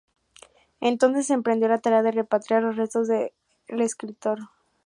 Entonces emprendió la tarea de repatriar los restos del escritor.